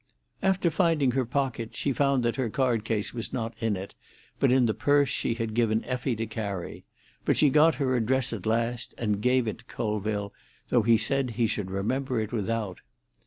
After finding her pocket, she found that her card case was not in it, but in the purse she had given Effie to carry; but she got her address at last, and gave it to Colville, though he said he should remember it without.